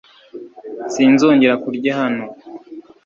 Sinzongera kurya hano